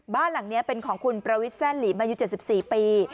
บ้านหลังเนี้ยเป็นของคุณประวิทธิ์แซ่นหลีมาอยู่เจ็บสิบสี่ปี